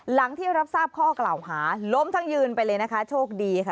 หลังที่รับทราบข้อกล่าวหาล้มทั้งยืนไปเลยนะคะโชคดีค่ะ